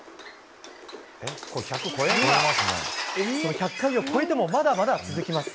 １００回を超えてもまだまだ続きます。